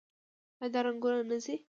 آیا دا رنګونه نه ځي؟